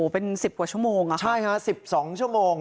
เป็น๑๐กว่าชั่วโมงใช่ฮะ๑๒ชั่วโมง